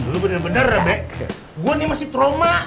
lu bener bener be gua nih masih trauma